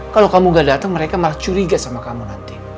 kalau kamu gak datang mereka malah curiga sama kamu nanti